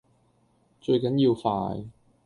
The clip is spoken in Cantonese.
最緊要快